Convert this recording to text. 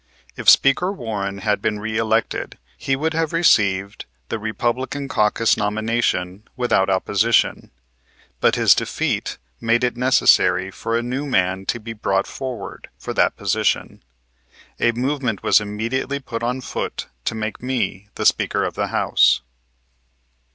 If Speaker Warren had been reëlected he would have received the Republican caucus nomination without opposition, but his defeat made it necessary for a new man to be brought forward for that position. A movement was immediately put on foot to make me the Speaker of the House.